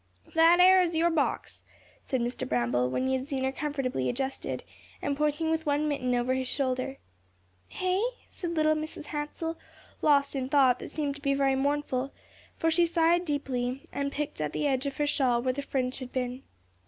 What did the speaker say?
"That 'ere is your box," said Mr. Bramble, when he had seen her comfortably adjusted, and pointing with one mitten over his shoulder. "Hey?" said little Mrs. Hansell, lost in thought that seemed to be very mournful, for she sighed deeply, and picked at the edge of her shawl where the fringe had been.